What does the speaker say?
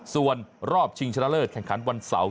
ส่วนรอบชิงชนะเลิศแข่งขันวันเสาร์